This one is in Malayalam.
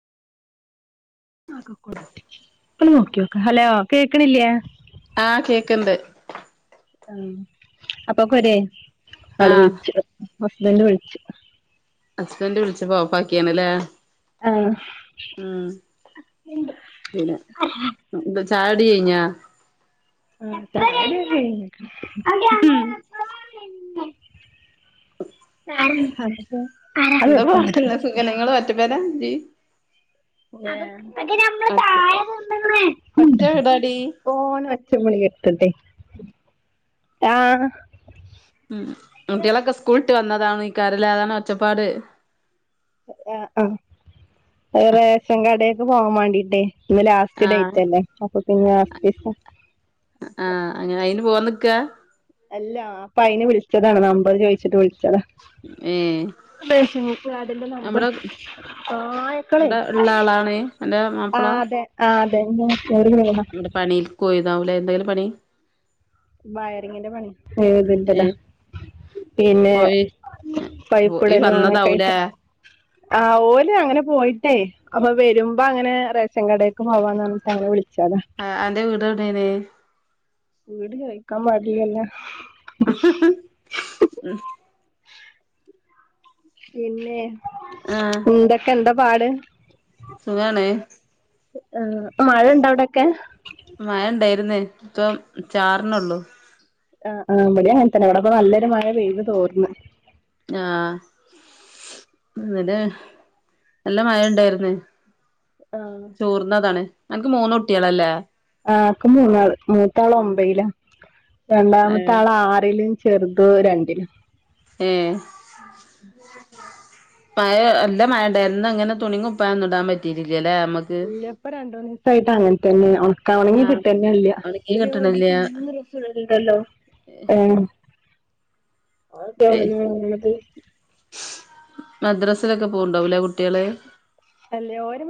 നോക്ക്യോകാ ഹലോ കേക്ക്ണില്ലേ? ആഹ് കേക്ക്ണ്ട്. ആഹ് അപ്പക്കൊരേ ആള് ആഹ് വിളിച്ചു. ഹസ്ബന്റ് വിളിച്ചു. ഹസ്ബൻഡറ് വിളിച്ചപ്പോ ഓഫാക്കിയണ്ല്ലേ? ആഹ് ഉം. പിന്നെ ന്താ ചായകുടി കഴിഞ്ഞ? [inaudible] എന്താ ഒക്കെ പട് [unintelligible] [unintelligible] ഒറ്റ വീടാടി [unintelligible] [unintelligible] ആ ഉം കുട്ടികളൊക്കെ സ്കൂളിട്ട് വന്നതാണ് എയ്ക്കാരം അല്ലെ? അതാണ് ഒച്ചപ്പാട്. ആ റേഷൻ കടെക്ക് പോവാൻ വേണ്ടിട്ടെ. ഇന്ന് ലാസ്റ്റ് ആഹ് ഡേറ്റ് അല്ലേ അപ്പൊ പിന്നെ ആഹ് അങ്ങനെ അയിന് പോവാ നിക്കാ? അല്ലാ അപ്പൊ അയിന് വിളിച്ചതാണ് നമ്പർ ചോദിച്ചിട്ട് വിളിച്ചതാ. ഏ. ഇവിടെ ഉള്ള ആളാണ് അന്റെ [unintelligible] അതെ ആ അതന്നെ. അന്റെ പണിൽക്ക് പോയത്താവൂ ലേ [unintelligible] പണി? വയറിങ്ങിന്റെ പണി ഏഹ് [unintelligible] പിന്നെ പോയി പോയി പൈപ്പിടലും അങ്ങനെയൊക്കെ ആയിട്ട്. വന്നതാവൂലേ ആ ഓല് അങ്ങനെ പോയിട്ടേ അപ്പൊ വരുമ്പോ അങ്ങനെ റേഷൻ കടയൊക്കെ പോവാന്ന് പറഞ്ഞിട്ട് അങ്ങനെ വിളിച്ചതാ. ആ അന്റെ വീട് എവിടെണ്? വീട് ചൊയ്ക്കാ പാടില്ലല്ലോ [inaudible] പിന്നെ ആഹ് എന്തൊക്കെ എന്താ പാട്? സുഖാണ് ആ മഴ ഇണ്ട അവിടൊക്കെ? മഴ ഇണ്ടായിരുന്ന് ഇപ്പം ചാറ്ണൊ ള്ളു. ആ ആ ഇവിടെ അങ്ങനത്തന്നെ ഇവിടെ ഇപ്പോ നല്ലൊരു മഴ പെയ്ത് തോർന്ന്. ആഹ. [unintelligible] നല്ല മഴ ഉണ്ടായി രിന്ന്. ആഹ് ചോറ് തിന്നാതാണ് അനക്ക് മൂന്ന കുട്ടികളല്ലേ? ആക്ക് മൂന്നാൾ മൂത്ത ആൾ ഒമ്പയില രണ്ടാമത്തെ ആൾ ആറില്. ചെറുത് ഇപ്പോ രണ്ടില്. ഏ മഴ അല്ല മഴയിണ്ടായിര്ന്ന് ഇന്ന് അങ്ങനെ തുണിയും കുപ്പായൊന്നും ഇടാൻ പറ്റില്ല. ഇപ്പോ രണ്ട് മൂന്ന് ദിവസം ആയിട്ട് അങ്ങനെ തന്നെ ഉണക്കാൻ. ഉണങ്ങി ആഹ് കിട്ടനെ ഇല്ല. ഒണങ്ങി കിട്ട്ണില്ല [unintelligible] [unintelligible] മദ്രാസിലൊക്കെ പോവുണ്ടാവുലേ കുട്ടിള്? അല്ലേ ഓര്